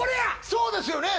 そうですよね